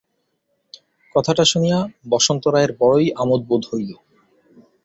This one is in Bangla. কথাটা শুনিয়া বসন্ত রায়ের বড়োই আমোদ বোধ হইল।